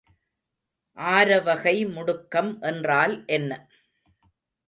ஆரவகை முடுக்கம் என்றால் என்ன?